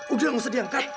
udah nggak usah diangkat